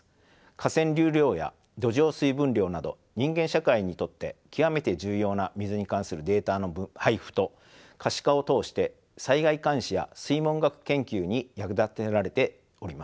河川流量や土壌水分量など人間社会にとって極めて重要な水に関するデータの配布と可視化を通して災害監視や水文学研究に役立てられております。